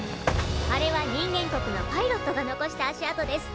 あれは人間国のパイロットが残した足跡です。